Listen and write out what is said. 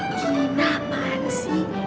gini apaan sih